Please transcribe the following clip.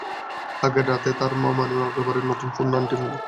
আগের রাতে তার মা, মানে আমার একেবারেই নতুন আন্টি ফোন করেছিলেন।